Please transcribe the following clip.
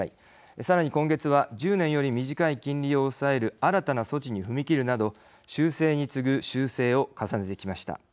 さらに今月は、１０年より短い金利を抑える新たな措置に踏み切るなど修正に次ぐ修正を重ねてきました。